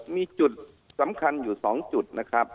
มีจุดสำคัญอยู่๒จุดนะครับ